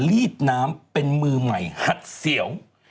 ลีดน้ำเป็นมือใหม่หัดเสียว